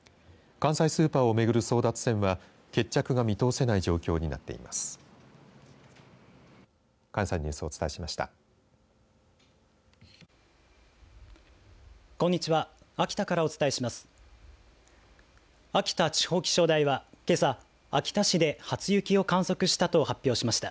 関西のニュースをお伝えしました。